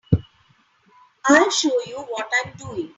I'll show you what I'm doing.